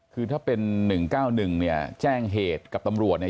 คือถ้าเป็น๑๙๑เนี่ยแจ้งเหตุกับตำรวจเนี่ย